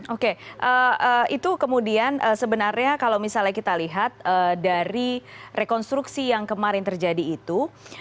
oke itu kemudian sebenarnya kalau misalnya kita lihat dari rekonstruksi yang kemarin terjadi itu